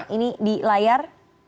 ini di layar